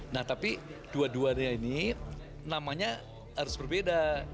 nah tapi dua duanya ini namanya harus berbeda